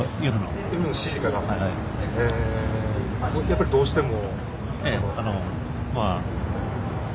やっぱりどうしても？